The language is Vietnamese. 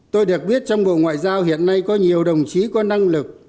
tôi được biết trong bộ ngoại giao hiện nay có nhiều đồng chí có năng lực